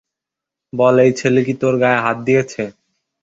বল এই ছেলে কি তোর গায়ে হাত দিয়েছে?